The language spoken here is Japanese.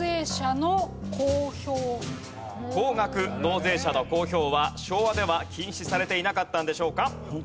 高額納税者の公表は昭和では禁止されていなかったんでしょうか？